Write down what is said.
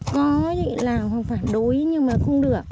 có vậy là hoặc phản đối nhưng mà không được